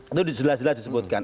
itu jelas jelas disebutkan